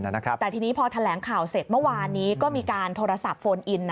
แต่ทีนี้พอแถลงข่าวเสร็จเมื่อวานนี้ก็มีการโทรศัพท์โฟนอิน